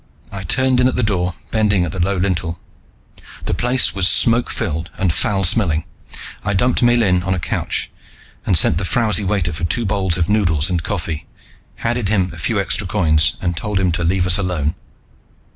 I turned in at the door, bending at the low lintel. The place was smoke filled and foul smelling. I dumped Miellyn on a couch and sent the frowsy waiter for two bowls of noodles and coffee, handed him a few extra coins, and told him to leave us alone.